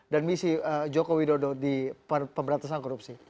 dan misi joko widodo di pemberantasan korupsi